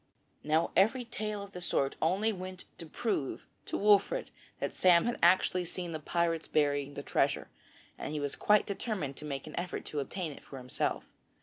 Now every tale of the sort only went to prove to Wolfert that Sam had actually seen the pirates burying the treasure, and he was quite determined to make an effort to obtain it for himself.